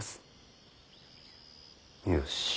よし。